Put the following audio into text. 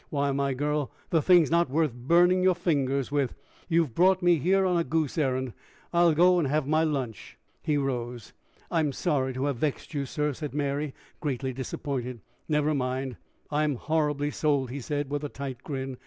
Why, my girl! the thing's not worth burning your fingers with. You've brought me here on a goose errand. I'll go and have my lunch." He rose. "I'm sorry to have vexed you, sir," said Mary, greatly disappointed. "Never mind. I'm horribly sold," he said, with a tight grin.